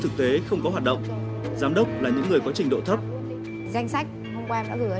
thực tế không có hoạt động giám đốc là những người có trình độ thấp danh sách hôm qua em đã gửi cho